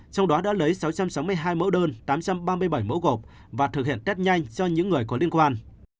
trong đó đã lấy sáu trăm sáu mươi hai mẫu đơn tám trăm ba mươi bảy mẫu gộp và thực hiện test nhanh cho những người có liên quan